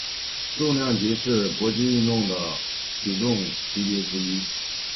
重量级是搏击运动的体重级别之一。